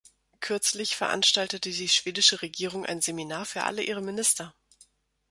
Kürzlich veranstaltete die schwedische Regierung ein Seminar für alle ihre Minister.